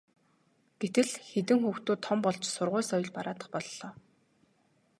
гэтэл хэдэн хүүхдүүд том болж сургууль соёл бараадах боллоо.